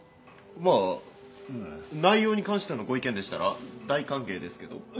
まあ内容に関してのご意見でしたら大歓迎ですけど。